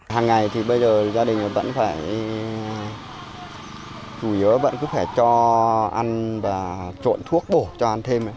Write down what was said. hàng ngày thì bây giờ gia đình vẫn phải chủ yếu vẫn cứ phải cho ăn và trộn thuốc bổ cho ăn thêm